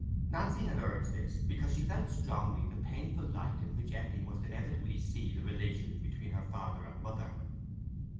Nancy had urged this, because she felt strongly the painful light in which Eppie must inevitably see the relation between her father and mother.